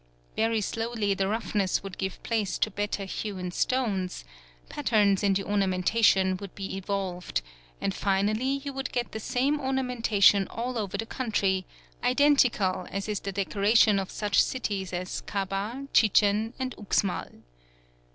Very slowly the roughness would give place to better hewn stones; patterns in the ornamentation would be evolved; and finally you would get the same ornamentation all over the country, identical as is the decoration of such cities as Kabah, Chichen, and Uxmal.